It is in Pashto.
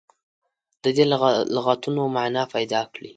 د دې لغتونو معنا پیداکړي.